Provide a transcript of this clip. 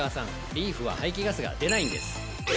リーフは排気ガスが出ないんです！